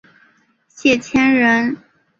谢迁人。